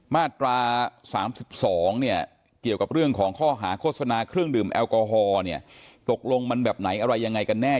มาตรา๓๒เนี่ยเกี่ยวกับเรื่องของข้อหาโฆษณาเครื่องดื่มแอลกอฮอล์เนี่ยตกลงมันแบบไหนอะไรยังไงกันแน่